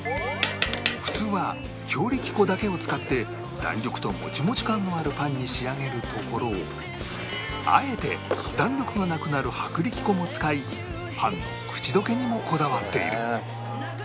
普通は強力粉だけを使って弾力ともちもち感のあるパンに仕上げるところをあえて弾力がなくなる薄力粉も使いパンの口溶けにもこだわっている